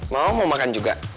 mama mau makan juga